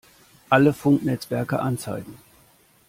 Alle Funknetzwerke anzeigen!